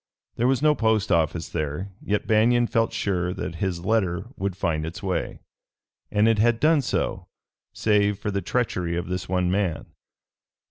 There was no post office there, yet Banion felt sure that his letter would find its way, and it had done so, save for the treachery of this one man.